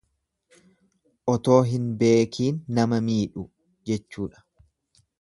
Otoo hin beekiin nama miidhu jechuudha.